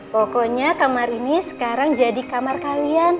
pokoknya kamar ini sekarang jadi kamar kalian